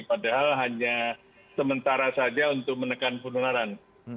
padahal hanya sementara saja untuk menekan penularan